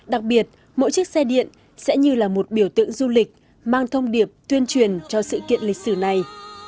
đặc biệt mỗi chiếc xe điện sẽ như là một biểu tượng du lịch mang thông điệp tuyên truyền cho sự kiện lịch sử này